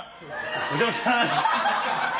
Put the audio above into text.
お邪魔します。